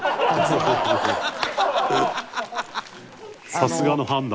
さすがの判断。